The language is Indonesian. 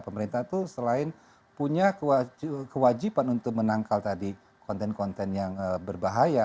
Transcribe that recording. pemerintah itu selain punya kewajiban untuk menangkal tadi konten konten yang berbahaya